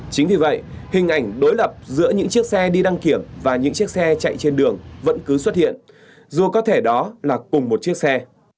chính vì vậy hình ảnh đối lập giữa những chiếc xe đi đăng kiểm và những chiếc xe chạy trên đường vẫn cứ xuất hiện dù có thể đó là cùng một chiếc xe